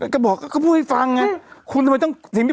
ก็บอกฟังไง